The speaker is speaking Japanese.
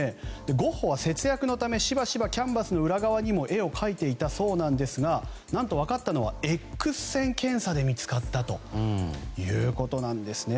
ゴッホは節約のためしばしばキャンバスの裏側にも絵を描いていたそうですが何と分かったのはＸ線検査で見つかったということです。